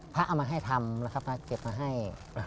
พระเอามาให้ทำนะครับมาเก็บให้